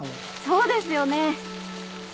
そうですよね！